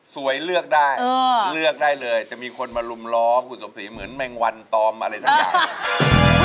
เลือกได้เลือกได้เลยจะมีคนมาลุมล้อมคุณสมศรีเหมือนแมงวันตอมอะไรสักอย่าง